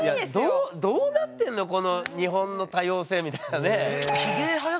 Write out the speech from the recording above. どうなってんのこの日本の多様性みたいなね。